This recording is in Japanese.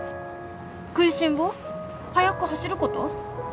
食いしん坊？速く走ること？